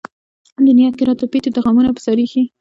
دنيا کۀ راته پېټے د غمونو پۀ سر اېښے